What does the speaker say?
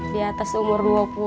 di atas umur dua puluh